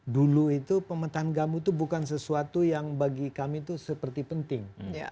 dulu itu pemetaan gamu itu bukan sesuatu yang bagi kami itu seperti penting